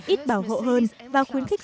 ít bảo hộ hơn và khuyến khích